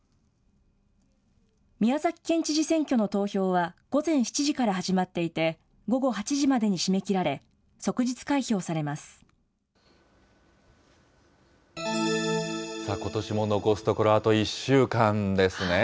宮崎県知事選挙の投票は午前７時から始まっていて、午後８時までことしも残すところあと１週間ですね。